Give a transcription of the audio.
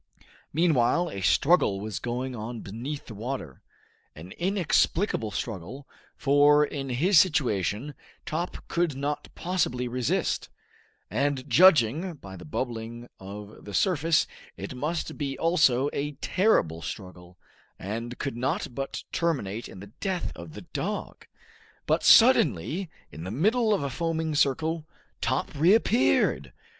Meanwhile, a struggle was going on beneath the water, an inexplicable struggle, for in his situation Top could not possibly resist; and judging by the bubbling of the surface it must be also a terrible struggle, and could not but terminate in the death of the dog! But suddenly, in the middle of a foaming circle, Top reappeared.